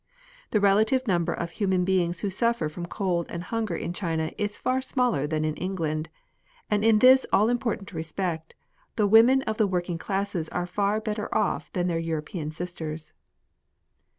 The relative number of human beings who suffer from cold and hunger in China is far smaller than in England, and in this all important respect, the women of the working classes are far better off than their European sisters.